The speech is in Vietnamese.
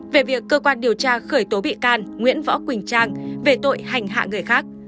về việc cơ quan điều tra khởi tố bị can nguyễn võ quỳnh trang về tội hành hạ người khác